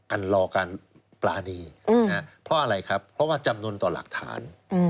อันรอการประณีอืมนะฮะเพราะอะไรครับเพราะว่าจำนวนต่อหลักฐาน